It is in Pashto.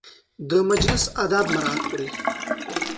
د مجلس اداب مراعت کړئ